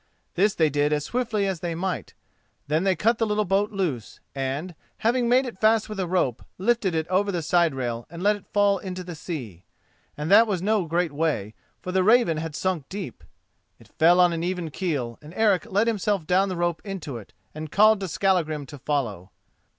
This they did as swiftly as they might; then they cut the little boat loose, and, having made it fast with a rope, lifted it over the side rail and let it fall into the sea, and that was no great way, for the Raven had sunk deep. It fell on an even keel, and Eric let himself down the rope into it and called to Skallagrim to follow.